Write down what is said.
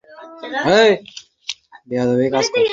তারা সবাই সন্দীপকে দলপতি করে স্বদেশী-প্রচারে মেতে উঠল।